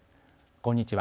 こんにちは。